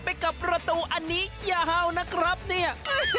ไปกับประตูอันนี้ยาวนะครับเนี่ย